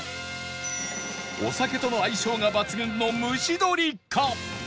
お酒との相性が抜群の蒸し鶏か